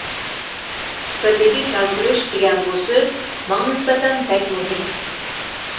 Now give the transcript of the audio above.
«بىرلىككە كەلتۈرۈش» دېگەن بۇ سۆز ماڭا نىسبەتەن بەك مۇھىم.